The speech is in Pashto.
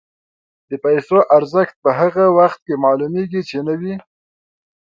د پیسو ارزښت په هغه وخت کې معلومېږي چې نه وي.